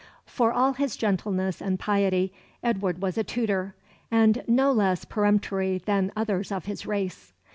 For all his gentleness and piety, Edward was a Tudor, and no less peremptory than others of his race.